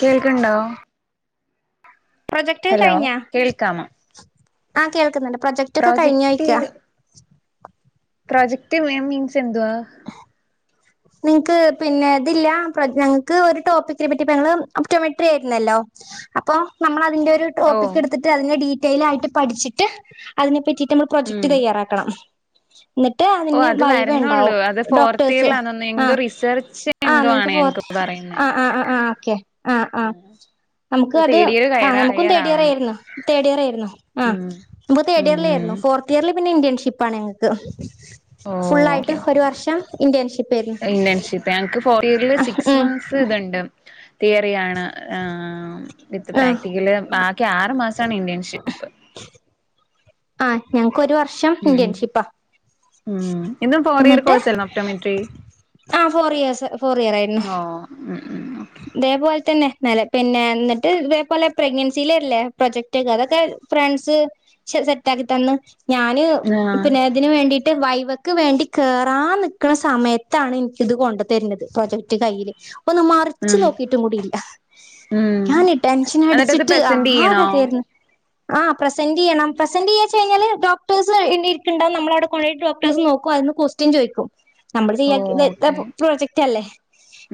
കേൾക്കണ്ടോ ഹലോ കേൾക്കമ ആഹ കേൾക്കുന്നുണ്ട് പ്രൊജക്റ്റ് ഒക്കെ കഴിഞ്ഞഞ് കഴക്കാ പ്രോജക്ട് മ മീൻസ് എന്തുവാ നിങ്ങക്ക് പിന്നെ ഇതില്ല ഞങ്ങക്ക് ഒരു ടോപ്പിക്കിനെ പറ്റി ഞങ്ങള്ൾ ഒപ്റ്റോമെട്രി ആയിരുന്നല്ലോ അപ്പൊ നമ്മൾ ന്റെ ഒരു ഓ ടോപ്പക് എടുത്തിട്ട് അന്റെ ഡ െൽയിട്ട് പഠിച്ചിട്ട് അതിനെ പറ്റി നമ്മൾ ഉം പ്രൊജക്ട് തയ്യാറാക്കണം എന്നിട്ട് ഓ അതിന് അത് വൈവ വരുന്നുള്ളൂ ഉണ്ടാവും അത് ഫോർത്ത് ഡോക്ടേഴസ് ഇയറിലാന്നോന്ന് ആ എന്തോ റിസർച്ച് ആ എന്തോ ആണ് നിക്ക് ഫർ ഞങ്ങക്ക് പറയുന്നെ ആ ആ ആ ഓക്കെ ആ ആ ആഹ് ഇപ്പൊ നമുക്ക്ത് തേർഡ് ഇയർ ആ കയറാ നമുക്കും തേഡ് ഇയർ കയ്യാറാവണു ആയി തേർഡ് ഇയർ ആയിരുന്നു ഉം തേഡ് ഉം ഉം എയറിലിരുന്ന്ആയിഫോർത്ത് ഇയറ പിന്നെ ഇന്ത്യൻഷിപ്പ ആാണ് ഞാങ്ങക്ക് ഓ ഫുള്ള ആായിട്ട് ഓക്കെ ഒരു വർഷം ഇന്റേൺഷിപ്പ് ആയിരുന്നു ഇന്റേൺഷിപ്പ് ഞങ്ങക്ക് ഫോർ ഇയറില് സിക്സ് ഉം മന്ത്സ് ഇതുണ്ട് തിയറിയാണ് വിത്ത് ആഹ് പ്രാക്ടിക്കല് ബാക്കി ആറ്ു മാസമാണ് ഇന്റേൺഷിപ്പ് ആ ഞങ്ങൾക്ക് ഒരുവർ ഉം ഇൻ്റേൺഷിപ്പ് ഉം ഉം ഇതും ഫോർ ഇയർ എന്നിട്ട് കോഴ്സായിരുന്നോ ഒപ്റ്റോമെട്രി ആ ഫോർ ഇയർ ഫോർ ഇയർ ആയിരുന്നു ഓ ഉം ഉം ഇതേപോലെ തന്നെ നല്ല പിന്നെ എന്നിട്ട് ഇതേപോലെ പ്രഗ്നൻസിൽല്ലേ പ്രൊജക്റ്റ് ഒക്കെ അതൊക്കെ ഫ്രണ്ട്സ് സെറ്റ ആക്കി തന്ന് ഞാന് ഓക്കെ ആഹ് പിന്നെ ഇതിന് വേണ്ടീട്ട് വൈ അവക്ക് വേണ്ടി കേറാൻ നിക്കുന്ന സമയത്താണ് എനിക്ക ഇത് കൊണ്ടു തരുന്നത് പ്രൊജക്ട് കൈയില് ഉം നോക്കിട്ടും കൂടില്ല ഉം ടെൻഷൻ എന്നിട്ടത് അടിച്ചിട്ട് പ്രസന്റ് ആ ചെയ്യണോ കഥയരുന്നു ഞാൻ [unintelligible] ആഹ പ്രസെന്റ് ചെയ്യണം പ്രെന്റ് ചെയ്യാച്ച കഴിഞ്ഞാല് ഡോക്ടേഴ്സ് ഇരിക്കണ്ടാവ നമ്മളവിടെ കൊണ്ട് ഡോക്ടേഴ്സ് നോക്ക് അതിന് ക്വസ്റ്റ്യൻ ചോദിക്കും നമ്മള് ഓ ചെയ്യാൻ ഇരിക്കുന്ന എത്ര ഓക്കെ പ്രോ പ്രോജക്റ്റ് അല്ലേ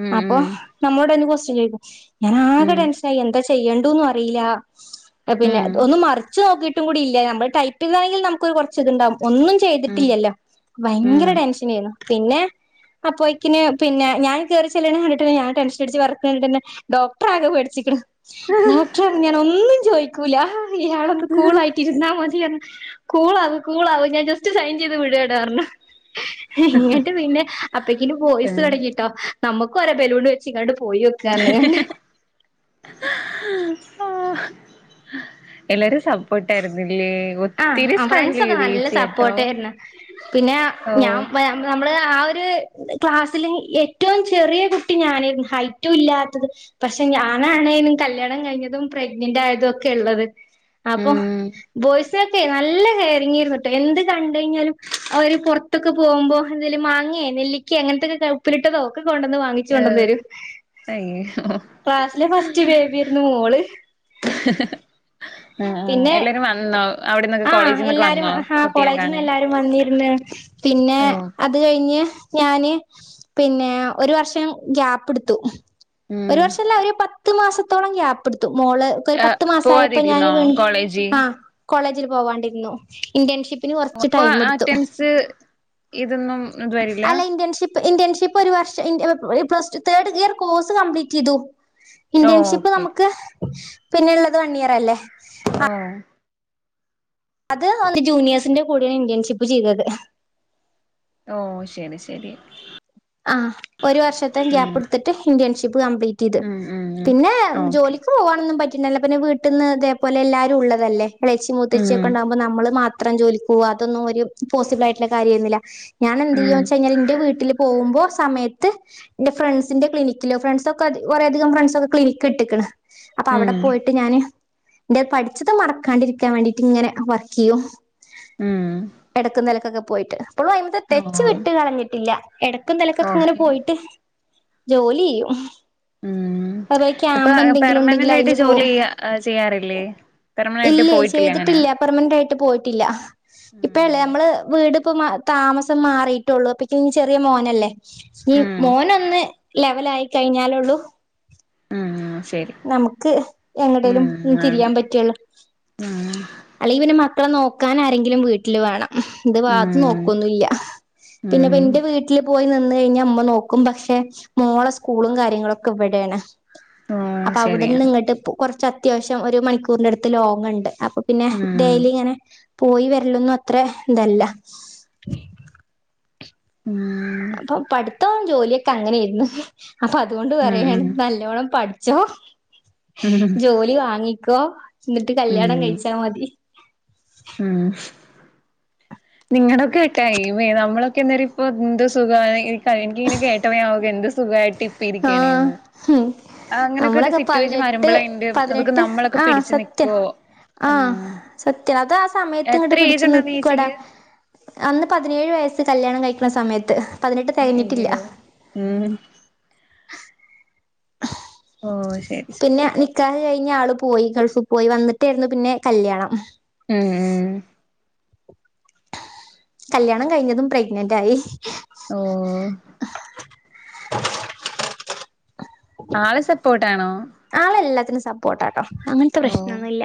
ഉം അപ്പൊ ഉം വടെ എന്നും ക്വസ്റ്റ്യൻ ചോദിക്കും ഞാനാകെ ഉം ടെൻഷനായി എന്താ ചെ യ്യണ്ടൂന്നും അറീല്ല പിന്നെ ഉം ഒന്ന് മറിച്ച് നോക്കി ട്ടും കൂടി ഇല്ല നമ്മൾ ടൈപ്പിംങ്ങാണെങ്കിൽ നമുക്ക് കുറച്ചു ഇതുണ്ടാവും ഒന്നും ഉം ചെയ്തിട്ടില്ലല്ലോ ഉം ഭയങ്കര ടെൻഷൻ ഏന്നു പിന്നെ അപ്പോയ്ക്കിന് പിന്നെ ഞാന് കെയറി ചെല്ല്ണ് കണ്ടിട്ടന്നെ ഞാൻ ടെൻഷൻടിച്ച് വിറക്കുണകണ്ടിട്ടന്നെ ഡോക്ടർ ആകെ പേടിച്ച്ക്ണ് ഡോക്ടർഞ്ഞു ഞാൻ ഒന്നും ചോയിക്കൂല ഇയാളെ ഒന്ന് കൂളായിട്ട് ഇരുന്നാൽ മതി കുളാവ് കുളാവ് ഞാൻ ജസ്റ്റ് സൈൻ ചെയ്ത് വിടാണ് അർഞ്ഞു ഇങ്ങട്ട് പിന്നെ അപ്പക്കിനും ബോയ്സ് പിന്നെ തുടങ്ങിട്ടോ നമ്മു ക്കോരോ ബലൂണ് [unintelligible] പോയി നോക്കാല്ലേ ആഹ് എല്ലാരും സപ്പോർട്ട് ആയിരുന്നിൽ ആഹ് ആ ഫ്രണ്ട്സൊക്കെ നല്ല കേട്ടോ സപ്പോർട്ട് ഏര്ന്നു പിന്നെ ഓ ഞാൻ വേ മ് നമ്മള് ആ ഒര് ത് ക്ലാസിൽ ഏറ്റവും ചെറിയ കുട്ടി ഞാനേരുന്നു ഹൈറ്റും ഇല്ലാത്തത് പക്ഷെ ഞാനാണ് കല്യാണം കഴിഞ്ഞതും പ്രഗ്നന്റ് ആയതും ഒക്കെ ഇള്ളത് അപ്പം ഉം ബോയിസ് ക്കെ നല്ല കേറിയിങ് ഏരുന്നുട്ടോ എന്ത് കണ്ട് കഴിഞ്ഞാലും അവര് പുറത്തൊക്കെ പോകുമ്പോ എന്തേലും മാങ്ങേ നെല്ലിക്കേ അങ്ങനത്തൊക്കെ ഉപ്പിലിട്ടതോ ക്കെ കൊണ്ടന്ന് വാങ്ങിച്ചു കൊണ്ടന്ന് ഏഹ് തരും അയ്യോ ക്ലാസിലെ ഫസ്റ്റ് ബേബിയരുന്നു മോള് ഉം പിന്നെ എല്ലാരും വന്നോ അവിടെന്നൊക്കെ ആഹ് കോളേജിൽ നിന്നൊക്കെ എല്ലാരും വന്നോ കുട്ടീനെ കാണാൻ ഉ [unintelligible] പിന്നെ ഓ അത് കഴിഞ്ഞ് ഞാന് പിന്നെ ഒരു വർഷം ഗ്യാപ്പ് ഇടുത്തു ഒരു ഉം വർഷല്ല ഒരു പത്ത് മാസം ത്തോളം ഗ്യാപ്പ്ട് ത്തു മോള് ക്ക് ഒരു പത്ത് മാസായ ഞാന് പോവാതിരുന്നോ വീണ്ടും കോളേജ് ആ കോളേ ജിൽ പോകണ്ടിരുന്നു ഇന്റേൺഷിപ്പ് അപ്പ ആറ്റംസ് ഇതൊന്നും ഇത് വരൂല്ലാ ഇപ്പൊ ഒരു വർഷം intern plus two third year course complete ചെയ്തു ഓ ഇന്റേൺഷിപ്പ് ഓക്കെ നമുക്ക് പിന്നെയുള്ളത് വൺ ഇയർ തല്ലേ ആഹ് അത് ഒന്ന് ജൂനിയേഴ്സിന്റെ കൂടെയാണ് ഇന്റേൺഷിപ്പ് ചെയ്തത് ഓ ശരി ശെരി ആഹ് ഒരു വർഷത്തെ ഗ്യാപ്പ് എടുത്തിട്ട് ഇന്റേൺഷിപ്പ് കംപ്ലീറ്റ് ചെയ്ത് ഉം ഉം പിന്നെ ഓക്കെ ജോലിക്ക് പോകാനൊന്നും പറ്റി പിന്നല്ലെ പിന്നെ വീട്ടീന്ന് ഇതേപോലെ എല്ലാരും ഉള്ളതല്ലേ ഇളേച്ചി ഉം മൂത്തേചിക്കൊണ്ടാകുമ്പോ നമ്മള് മാത് അത്രയും ജോലിക്ക് പോകാത്തെ തൊന്നും ഒരു പോസിബിൾ ആയിട്ടുള്ള കാര്യായിരുന്നില്ല ഞാൻ എന്ത് ചെയ് ഉം വെച്ചാഴിഞ്ഞാൽ എന്റെ വീട്ടില് പോകുമ്പോ സമയത്ത് എന്റെ ഫ്രണ്ട്സിന്റെ ക്ലിനിക്കിലോ ഫ്രണ്ട്സ് ഒക്കെ കുറേ അധികം ഫ്രണ്ട്സ് ഒക്കെ ക്ലിനിക്ക് ഇട്ടക്കണ് അപ്പൊ ഉം അവിടെ പോയിട്ട് ഞാന് ന്റെ പഠിച്ചത് മറക്കാണ്ടിരിക്കാൻ വേണ്ടിട്ട് ഇങ്ങനെ വർക്ക് ചെയ്യും ഉം എടക്കും തലക്കൊക്കെ പോയിട്ട് ഇപ്പളും അയ്മത്തെ ഓ തെച്ച് വിട്ട് കളഞ്ഞിട്ടില്ല എടക്കും തലക്കൊക്കെ ഇങ്ങനെ ഓക്കെ പോയിട്ട് ജോലി ഉം അതുപോലെ ഇപ്പൊ ക്യാമ്പ് എന്തെങ്കിലും ഉണ്ടെങ്കിൽ പെർമനന്റ് ആയിട്ട് അയിന് പോവും ജോലി ചെയ്യാറില്ലേ പെർമനന്റായിട്ട് പോയിട്ടില്ലേ അങ്ങനെ ഇ ല്ല ഇപ്പഴല്ലേ ഉം നമ്മള് വീട് ഇപ്പം താമസ മാറിയിട്ടുള്ളൂ അപ്പ ചെറിയ മോനല്ലേ ഈ ഉം മോനൊന്ന് ലെവല ആായി കഴിഞ്ഞാലേള്ളൂ ഉം ശരി നമുക്ക് എങ്ങേടേലും ഉം ആണ് തിരിയാൻ പറ്റുള്ളൂ ഉം അല്ലെ പിന്നെ മക്ക് മക്കളെ നോക്കാൻ ആരെങ്കിലും വീട്ടില് വേണം ഇത് വാദ്യ ഉം നോക്കൊന്നില്ല പിന്നെ ഉം എന്റെ വീട്ടില് പോയി നിന്ന് കഴിഞ്ഞ ഇമ്മ നോക്കും പക്ഷെ മോളെ സ്കൂളും കാര്യങ്ങളൊക്കെ ഇവിടെണ് ഓ അപ്പൊ അവിടുന്ന് ശരിയാണ് ഇങ്ങട്ട് പ കൊ ച്ച് അത്യാവശ്യം ഒരു മണിക്കൂറിന്റെ അടുത്ത് ലോങ്ണ്ട് പിന്നെ ഉം ഡെയിലി ഇങ്ങനെ പോയി വരല്ലൊന്നും അത്ര ഇതല്ല ഉം അപ്പൊ പഠിത്തവും ജോലിയക്ക് അങ്ങനെയിരുന്നു അപ്പൊ അതുകൊണ്ട് ഉം പറയാണ് ഉം നല്ലോണം പഠി ചഹോ ഉം [unintelligible] ജോലി വാങ്ങി ക്കൊ ന്നിട്ട് കല്യാണം ഉം കഴിച്ചാ മതി ഉം നിങ്ങടെക്കെ ടൈംമെ നമ്മളൊക്കെ ഇന്നൊരു ഇപ്പൊ എന്ത്‌ സുഖ എനിക്കിങ്ങനെ കേട്ടപ്പ എന്ത് സുഖം ആഹ അങ്ങനൊക്കെ ഒരു നമ്മളൊക്കെ സിറ്റുവേഷൻ പതിനെട്ട് വരുമ്പളെ ഇന്റെ അതൊക്കെ പതിനെട്ട് നമ്മളൊക്കെ ആ പിടിച്ചു സത്യം നിക്കുവോ ആ ആഹ് സത്യം അത് ആ സമയത്ത് ഇങ്ങോട്ട് എത്ര ഏജ് പിടച്ച് ഉണ്ടായിരുന്നു നിക്കടാ ചേച്ചിക്ക് അന്ന് പതിനേഴ് വയസ്സ് കല്യാണം കഴിക്കണ സമയത്ത് പതിനെട്ട് തികഞ്ഞിട്ടില്ല എോ [unintelligible] ഉം ഓഹ് ശരി ശരി പിന്നെ നിക്കാഹ കഴി ആള് പോയി ഗൾഫിൽ പോയി വന്നിട്ടായിരുന്നു പിന്നെ കല്യാണം ഉം ഉ കല്യാണം കഴിഞ്ഞതും പ്രഗ്നന്റ് ആയി ഓ [unintelligible] ആള് സപ്പോർട്ട ട്ടാണോ ആളെല്ലാത്തിനും സപ്പോർട്ടാട്ടോ അങ്ങനത്തെ ഓഹ് പ്രശ്നംന്നുംഇല്ല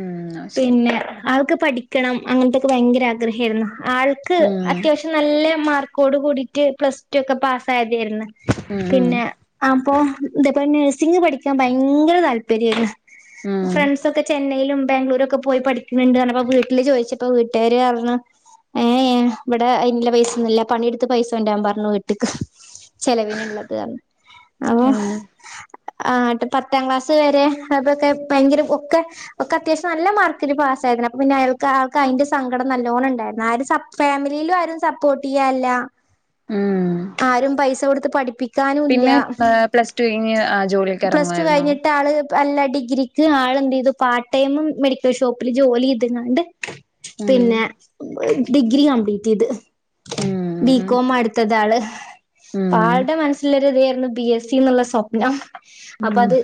ഉം അത് ശരി പിന്നെ അവക്ക് പഠിക്കണം അങ്ങനത്തെൊക്കെ ഭയങ്കര ആഗ്രഹമായിരുന്നു ആൾക്ക് ഉം അത്യാവശ്യം നല്ല മാർക്കോട് കൂടിയിട്ട് പ്ലസ് ടു ഒക്കെ പാസ്സയതായിരുന്നു ഉം ഉം പിന്നെ അപ്പൊ ഇതോ പ്പം നഴ്സിംഗ് പഠി ക്കാൻ ഭയങ്കര താല്പര്യമായിരുന്നു ഉം ഫ്രണ്ട്സ് ഒക്കെ ചെന്നൈയിലും ബാംഗ്ലൂരുൊക്കെ പോയി പഠിക്കുന്നുണ്ട്പ്പ വീട്ടില് ചോദിച്ചപ്പോ വീട്ടുകാര് പറുഞ്ഞു ഏ എ ഇവിടെ ഇന്നുള്ള പൈസൊന്നുമില്ല പണിയെടുത്ത് പൈസ ഉണ്ടാൻ പറഞ്ഞു വീട്ടക്ക് ചെലവിനുള്ളത് അപ്പൊ ഉം ആട്ട് പത്താം ക്ലാസ് വരെ അൊക്കെ ഭയങ്കര ഒക്കെ ഒക്കെ അത്യാവശ്യം നല്ല മാർക്കില് പാസ്സ ആായിരുന്നു അപ്പ പിന്നെ അയാൾക്ക് ആൾക്ക് അതിന്റെ സങ്കടം നല്ലോണം ഉണ്ടായിരുന്നു ആ ഫാമിലിയിലും ആരും സപ്പോർട്ട് ചെയ്യാല്ല ഉം ആരും പൈസ കൊടുത്ത് പഠിപ്പിക്ക പിന്നെ പ്ലസ് ടു കഴിഞ്ഞ് ജോലി പ്ലസ് ടു കഴിഞ്ഞിട്ട് ആള് അല്ല ഡിഗ്രിക്ക് ആൾെന്ത് ചെയ്തു പാർട്ട് ടൈമും മെഡിക്കൽ ഷോപ്പില് ജോലി ചെയതങ്ങാണ്ട് ഉം പിന്നെ ഡിഗ്രി കംപ്ലീറ്റ് ചെയ്ത് ഉം ബികോം അടുത്തത ആള് ഉം ആളുടെ മനസ്സിലരു ഇതായിരുന്നു ബി എസ് സി എന്നുള്ള സ്വപ്നം അപ്പ ഉം അത്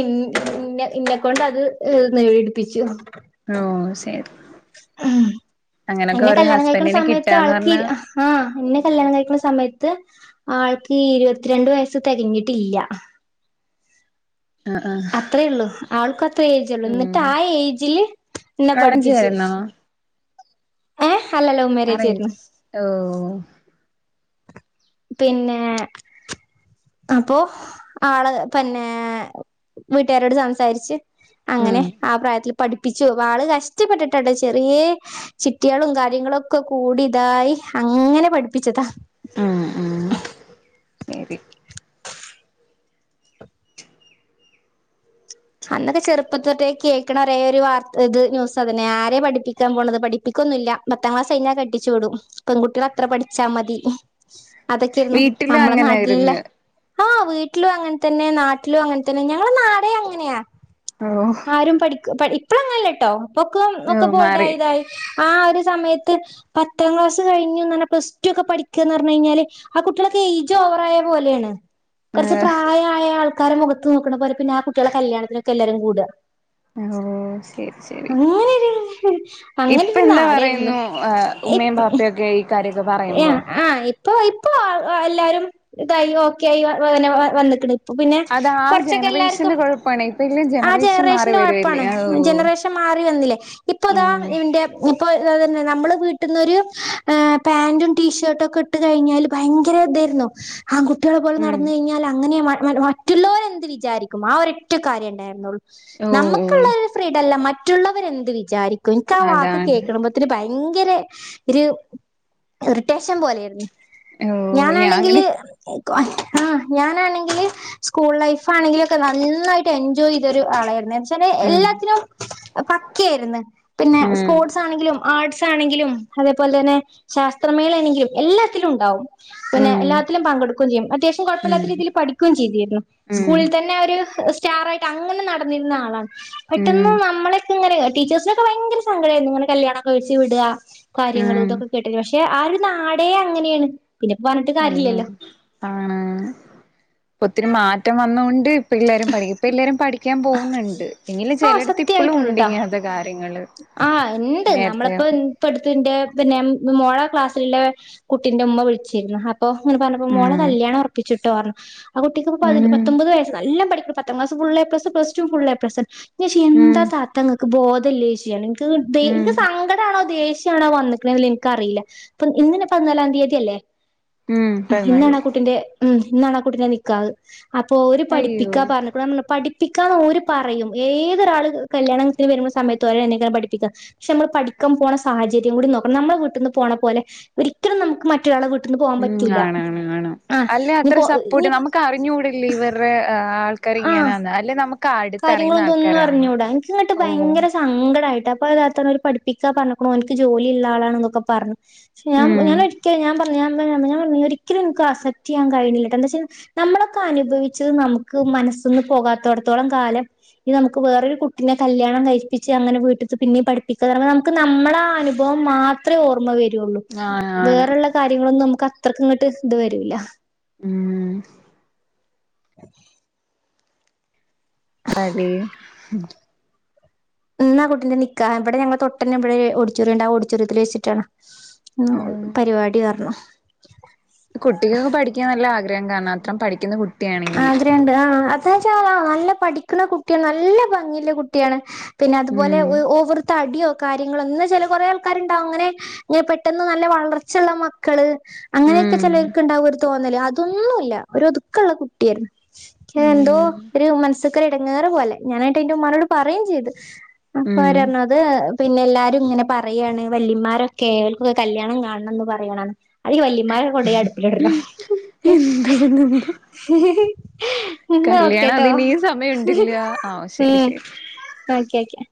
ഇന്ന ഇന്നെ കൊൊണ്ടത് ഏ നേടിടിപ്പിച്ചു ഓ ശരി അങ്ങനൊക്കെ എന്നെ ഒരു കല്യാണം കഴിക്കണ ഹസ്ബൻഡിനെ സമയത്ത് കിട്ടാന്ന് ആൾക്ക് പറഞ്ഞാ ആഹ എന്നെ കല്യാണം കഴിക്കുന്ന സമയത്ത് ആൾക്ക് ഇരുപത്തിരണ്ട് വയസ്സ് തികഞ്ഞിട്ടില്ല ആഹ് ആഹ് അത്രയേള്ളു ആൾക്ക അത്ര ഏജള്ളു എന്നിട്ട് ഉം ആ ഏജില് എന്നെ അറേഞ്ച് പഠിപ്പിച്ചു ആയിരുന്നോ ഹലലോ മേരേജരുന്നു അറേഞ്ച് ഓ പിന്നെ അപ്പൊ ആള് പിന്നെ വീട്ടേരോട് സംസാരിച്ച് അങ്ങനെ ഉം ആ പ്രായത്തില് പഠിപ്പിച്ചു വളെ കഷ്ടപ്പെട്ടിട്ടണ്ടോ ചെറിയ ചിട്ടികളും കാര്യങ്ങളൊക്കെ കൂടി ഇതായി അങ്ങനെ പഠിപ്പിച്ചതാ ഉം ഉം ശരി അന്നൊക്കെ ചെറുപ്പത്തോട്ടേ കേൾക്കണ ഒരേ ഒരു വാർത്ത ഇത് ന്യൂസ് അതന്നെ ആരെ പഠിപ്പിക്കാൻ പോണത് പഠിപ്പിക്കൊന്നുല്ല പത്താം ക്ലാസ് കഴിഞ്ഞാൽ കട്ടിച്ചു വിടും പെൺകുട്ടികൾ അത്ര പഠിച്ചാൽ മതി അതൊക്കെരുന്നു വീട്ടിലും നമ്മുടെ നാട്ടിലല്ലേ അങ്ങനായിരുന്ന് ആ വീട്ടിലും അങ്ങനെ തന്നെ നാട്ടിലും അങ്ങനെ തന്നെ ഞങ്ങള നാടെ അങ്ങനെയാ ഓ ആരും പഠിക്കു പഠി ഇപ്പളങ്ങല്ലട്ടൊ ഒക്കെ ഓ ഒക്കെ ബോൾഡ് മാറി ആയതായി ആ ഒരു സമയത്ത് പത്താം ക്ലാസ് കഴിഞുടനെ പ്ലസ് ടു ഒക്കെ പഠിക്ക്യന്ന് പറഞ് കഴിഞ്ഞാല് ആ കുട്ടികളൊക്കെ ഏജ് ഓവറ ആയ പോലെയാണ് കുറച്ച് ഏഹ് പ്രായമായ ആൾക്ക ആക്കാര മുഖത്ത് നോക്കണ പോലെ പിന്നെ പ്പോ ആ കുട്ടിയേളെ കല്യാണത്തിനക്കെ എല്ലരും കൂട ഓ ശരി ശരി അങ്ങനൊരു ഇപ്പ അങ്ങനൊരു എന്താ നാടായിരുന്നു പറയുന്നു ഉമ്മയും പാപ്പയ ഒക്കെ ഈ കാര്യ ഏഹ് ആഹ് ഇപ്പൊ ഇപ്പ് അപ്പ എല്ലാരും ഇതായി ഓക്കെയി വ വ വന്നിക്ക്ണ് പിന്നെ അത് ആ കൊറച്ചൊക്കെ എല്ലാവർക്കും ജനറേഷന്റെ കുഴപ്പാണ് ഇപ്പ ഇല്ല ആ ജനറേഷൻ മാറി ജനറേഷന്റെ വരുവല്ലേ കുഴപ്പാണ് ഓ ജനറേഷൻ മാറി വന്നില്ലേ ഇപ്പൊ ഇതാ ഉം ഇന്റെ ഇപ്പൊ അതെ അതന്നെ നമ്മള് വീട്ട്ന്നൊരു പാന്റും ടീഷർട്ടും ഒക്കെ ഇട്ട് കഴിഞ്ഞാല് ഭയങ്കരതായിരുന്നു ആൺകുട്ടിയോളെ പോലെ ഉം നടന്ന് കഴിഞ്ഞാൽ അങ്ങനെ മ [unintelligible] റ്റുള്ളോരെന്ത് വിചാരിക്കും ആരൊറ്റ കാര്യം ഇണ്ടായിരുന്നുള്ളൂ ഓ ഓ നമ്മക്ക്ള്ളൊരു ഫ്രീഡല്ല മ റ്റുള്ളവരെന്ത് വിചാരി ക്ൻക്കാ വാക്ക് അതാണ് കേക്ക്ള്മ്പത്തിന് ഭയ ങ്കര ഒര് ഇറിട്ടേഷം പോലെര്ന്ന് ഓ ഞാൻ അങ്ങനെ ഞാനാണെങ്കില് ആഹ് ആ ഞാനാണെങ്കിൽ സ്കൂൾ ലൈഫ് ആണെങ്കിലൊക്കെ നന്നായിട്ട് എൻജോയ്തൊരു ആളായിര്ന്നെ ചെലേ ഉം എല്ലാത്തിനും പക്കേര്ന്ന് പിന്നെ ഉം സ്പോർട്സാണെങ്കിലും ആർട്സ് സാണെങ്കിലും അതേപോലെന്നെ ശാസ്ത്രമേളെണെങ്കിലും എല്ലെത്തിലുണ്ടാവും പിന്നെ ഉം എല്ലാത്തിലും പങ്കെടുക്കും ചെയ്യും അത്യാവശ്യം ഉം കുഴപ്പല്ലാത്ത രീതിയിൽ പഠിക്കും ചെയ്തിരുന്നു ഉം സ്കൂളിൽ തന്നെ അവര് ഇഹ് സ്റ്റാറായിട്ട് അങ്ങനെ നടന്നിരുന്ന ആളാണ് പെട്ടെന്ന് ഉം നമ്മളൊക്കെ ഇങ്ങനെ [unintelligible] ടീച്ചേഴ്സ്നൊക്ക ഭയങ്കര സങ്കടേയിര്ന്നു ഇങ്ങനെ കല്യാണം കഴിച്ച് വിടാ കാര്യങ്ങൾ ഉം ഇതൊക്ക് പക്ഷെ ആ ഒരു നാടേ അങ്ങനേണ് ആ ആണ് തെ ത്തിരി മാറ്റം വന്നോണ്ട് ഇപ്പം എല്ലാരും പഠി ഇപ്പ എല്ലാരും പഠിക്കാൻ പോവുന്ന്ണ്ട് ആഹ് സത്യായിട്ടുണ്ട്ട്ടോ. കാര്യങ്ങള് ആ ഇണ്ട് നേരത്തെ നമ്മളെപ്പോരും ഇപ്പട്ത്ത്ന്റെ പിന്നെ മോള ക്ലാസ്സിലെ കുട്ടിന്റെ ഉമ്മ വിളിച്ചിരുന്നു. ഹാ ഓ അങ്ങന പറഞ്ഞപ്പോ മോള ഉം കല്യാണം ഒറ്പ്പിച്ചു ട്ടാർ ആ കുട്ടിക്ക്പ്പ പതിനൊ ഉം പത്തൊമ്പത് വയസ് നല്ല പഠി പത്താംക്ലാസ് ഫുള്ളെ ഏപ്ലസ് പ്ലസ്ടും ഫുള്ളെ ഏപ്ലസന് [unintelligible] ഉം എന്താ താത്തങ്ങ ക്ക് ബോധല്ലേ ഷ്ച് ഞാന് ക്ക്ങ്ങടെ ഉം ഇന്ക്ക് സങ്കടാണോ ദേ ഷ്യണോ വന്ന്ക്കേല്ലെ ഇന്ക്കറിയില്ല പ്പം ഇന്നനെ പതിനാലാം തിയതിയല്ലേ ഉം ഇന്നാണ് ആ കുട്ടിന്റെ ഉം ഇന്നാണ് ആ കുട്ടിന്റെ നിക്കാഹ് അപ്പൊ ഓര് അയ്യോ പഠിപ്പിക്കാ പറഞ്ഞ്ക്ണ‌ന്ന് പഠി പ്പിക്കാന്ന്ോര് പറയും ഏതൊരാള് കല്യാണത്തിന് വരുമ്പോ സമയത്ത് ഒരെ എന്നെക്കും പഠിപ്പിക്ക പക്ഷെ നമ്മൾ പഠാൻ പോണ സാഹചര്യം കൂടി നോക്കണം നമ്മൾ വീട്ട നിന്ന് പോല ഒരിക്കലും നമുക്ക് മറ്റൊരാളെ വീട്ടിന്ന് പോകാൻ ഉം പറ്റൂല കാണാണ് കാണ ആഹ് അല്ലേ അത്ര ഇനിപ്പോ സപ്പോർട്ട് ഇനി നമുക്ക് അറിഞ്ഞ കൂടല്ല ഇവരുടെ ആൾ കാര്യങ്ങളൊന്ന ഒന്ന ആൾക്കാരാണ് പറഞ്ഞൂടാ എനിക്ക ഇങ്ങോട്ട് ഓ ഭയങ്കര സങ്കടമായിട്ട ഇപ്പപ്പോ ഇതാത്ത ഒരു പഠിപ്പിക്കാ പറഞ്ഞക്കണ എക്ക് ജോലി ഇള്ള ആളാണ എന്നൊക്കെ പറഞ്ഞു ഞാ ഉം ഞാൻ എ ഞാൻ പറഞ ഒരിക്കലും എക്ക് അസെക്റ്റ് ചെയ്യാൻ കഴിില്ലട്ടെ എന്താ വെച്ചാ നമ്മളൊക്കെ അനുഭവിച്ചത് നമുക്ക് മനസ്ൽന്ന് പോകാത്തോടത്തോളം കാലം ഈ നമുക്ക് വേറൊരു കുട്ടിനെ കല്യാണം കഴിപ്പിച്ച് അങ്ങനെ വീട്ട പിന്നെയും പഠിപ്പിക്കുക നമുക്ക് നമ്മുടെ ആ അനുഭവം മാത്രമേ ഓർമ്മ വരൂ ആണ് ആണ് വേറള്ള കാര്യങ്ങളൊന്നും നമുക്ക് അത്രക്ക ഇങ്ങോട്ട് ഇത് വരൂല്ല ഉം ആ അി ഉ ആ കുട്ടിന്റെ നിിക്കാ ഇവിടെ ഞങ്ങ തൊട്ടെ ഇവിടെ ഓടിച്ചോറിണ്ടണ്ട് ആ ഓടിച്ചോറൽ വെച്ചിട്ടാണ് ആ പരിപാടി പറഞ്ഞു കുട്ടികൾക്ക്െ പഠിക്കാൻ നല്ല ആഗ്രഹം കാണാം അത്രം പഠിക്കുന്ന കുട്ടിയാണെങ്കി ആദ്രുണ്ട് ആ [unintelligible] നല്ല പടി നിക്കുന്ന കുട്ടി നല്ല ഭംഗിയ്‌ള്ള കുട്ടിയാണ് പിന്നെ അതുപോലെ ഉം കാര്യങ്ങളൊന്നും അങ്ങനെയൊക്കെ ഉം ചിലർക്കിണ്ടാവും ഒരു തോന്നല് തൊന്നുമില്ല ഒരൊതുകൊള്ള കുട്ടിയായിരുന്നു എന്തോ ഉം ഒരു മനസ്സക്കര് ഇടങ്ങേറുപോലെ ഞാനായിട്ട് എന്റെുമ്മാനോട് പറയേം ചെയ്ത് അപ്പൊ ഉം അവറഞ്ഞത് പിന്നെ എല്ലാരും ഇങ്ങനെ പറയേണ് വല്യന്മാരൊക്കെ കേൾഫ് കല്യാണം കാണംന്ന് പറയാണ് അവിരിക്ക് വയ്യേ മാരെകൊണ്ടേ അടുപ്പിലിടർണം [unintelligible] എന്തോന്നെന്തോ എന്ന കല്യാണം ഓക്കേട്ടോ അതിന് ഈ സമയം ഉണ്ടില്ല ആ ശരി ഉം ശരി ഓക്കെ ഓക്കെ